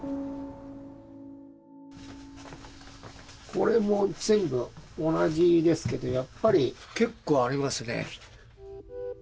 これも全部同じですけどやっぱり結構ありますね。